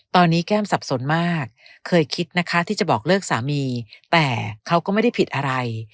ตอนนี้แก้มสับสนมากเคยคิดนะคะที่จะบอกเลิกสามีแต่เขาก็ไม่ได้ผิดอะไร